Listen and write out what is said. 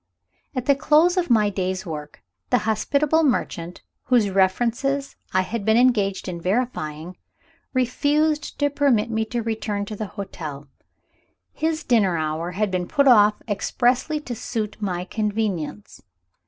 At the close of my day's work, the hospitable merchant, whose references I had been engaged in verifying, refused to permit me to return to the hotel. His dinner hour had been put off expressly to suit my convenience.